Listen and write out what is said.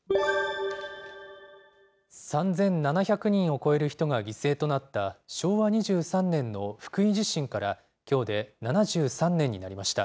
３７００人を超える人が犠牲となった、昭和２３年の福井地震から、きょうで７３年になりました。